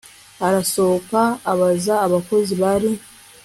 arasohoka abaza abakozi bari